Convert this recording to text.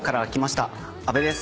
安部です。